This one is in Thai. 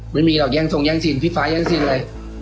ไม่มีหรอกแย่งทรงแย่งซีนพี่ฟ้าแย่งซีนเลย